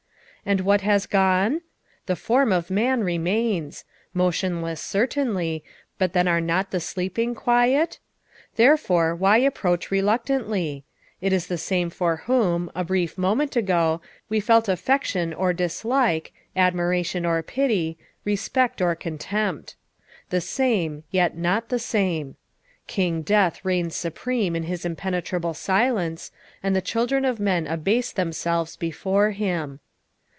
And what has gone? The form of man remains; motionless certainly, but then are not the sleeping quiet ? Therefore, why approach reluctantly? It is the same for whom, a brief moment ago, we felt affection or dis like, admiration or pity, respect or contempt. The same, yet not the same. King Death reigns supreme in his impenetrable silence, and the children of men abase themselves before him.